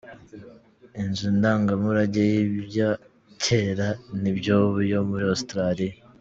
Inzu ndangamurage y'ibya kera ni by'ubu yo muri Australia.